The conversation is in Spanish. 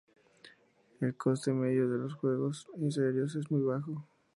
El coste medio de los juegos serios es muy bajo.